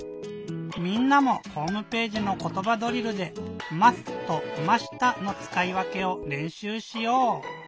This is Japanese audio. みんなもホームページの「ことばドリル」で「ます」と「ました」のつかいわけをれんしゅうしよう！